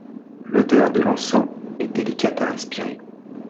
L'odeur de l'encens est délicate à respirer.